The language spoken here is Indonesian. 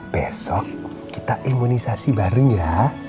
besok kita imunisasi bareng ya